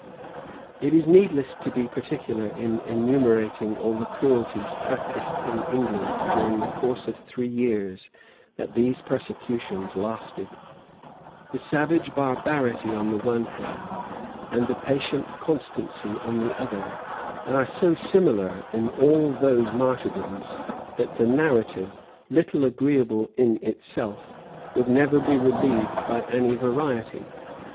It is needless to be particular in enumerating all the cruelties practised in England during the course of three years that these persecutions lasted: the savage barbarity on the one hand, and the patient constancy on the other, are so similar in all those martyrdoms, that the narrative, little agreeable in itself, would never be relieved by any variety.